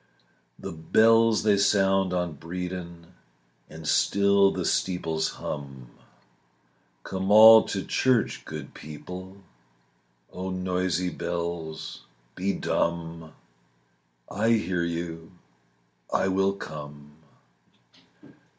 The bells they sound on Bredon, And still the steeples hum. "Come all to church, good people," Oh, noisy bells, be dumb; I hear you, I will come.